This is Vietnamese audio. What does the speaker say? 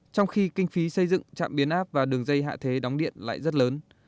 trong khi kinh phí xây dựng trạm biến áp và đường dây hạ thế đóng điện lại rất lớn